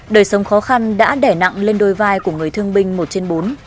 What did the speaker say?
đời sống khó khăn đã đẻ nặng lên đôi vai của người thương binh một trên bốn